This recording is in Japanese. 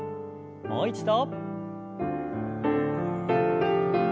もう一度。